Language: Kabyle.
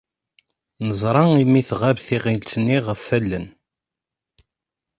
Neẓra mi tɣab tiɣilt-nni ɣef allen.